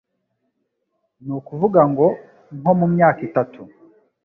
Ni ukuvuga ngo nko mu myaka itatu